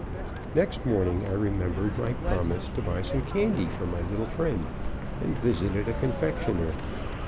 Next morning I remembered my promise to buy some candy for my little friend and visited a confectioner.